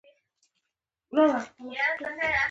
يوازې او يوازې د خپلو ژبې